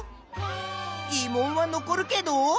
ぎ問は残るけど。